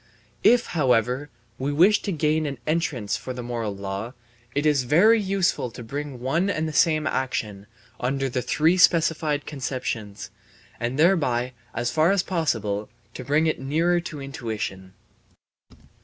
If, however, we wish to gain an entrance for the moral law, it is very useful to bring one and the same action under the three specified conceptions, and thereby as far as possible to bring it nearer to intuition.